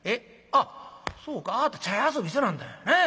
あっそうかあぁた茶屋遊びしてなんだねえ。